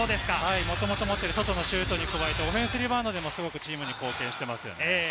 もともと持っている外のシュートに加えてオフェンスリバウンドでもすごく貢献しています。